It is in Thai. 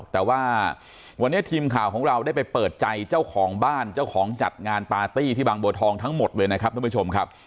แต่ว่าวันนี้ทีมข่าวของเราได้ไปเปิดใจเจ้าของบ้านเจ้าของจัดงานปาร์ตี้ที่บางบัวทองทั้งหมดเลยนะครับท่านผู้ชมครับ